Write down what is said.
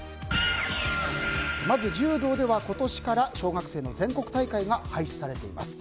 まず柔道では今年から小学生の全国大会が廃止されています。